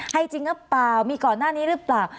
ให้จริงหรือเปล่ามีก่อนหน้านี้หรือเปล่า